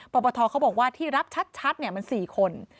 ปปทเขาบอกว่าที่รับชัดมัน๔คน